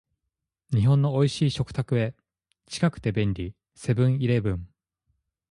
日本の美味しい食卓へ、近くて便利、セブンイレブン